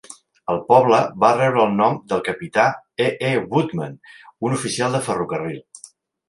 El poble va rebre el nom del capità E. E. Woodman, un oficial de ferrocarril.